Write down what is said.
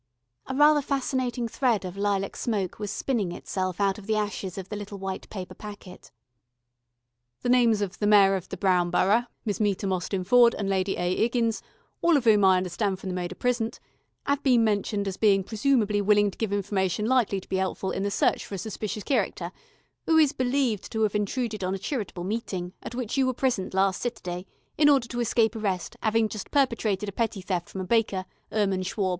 A rather fascinating thread of lilac smoke was spinning itself out of the ashes of the little white paper packet. "The names of the Mayor of the Brown Borough, Miss Meter Mostyn Ford, and Lady A. 'Iggins all of 'oom I understand from the maid are present 'ave been mentioned as being presoomably willing to give information likely to be 'elpful in the search for a suspicious cherecter 'oo is believed to 'ave intruded on a cheritable meeting, at which you were present last Seturday, in order to escape arrest, 'aving just perpetrated a petty theft from a baker, 'Ermann Schwab.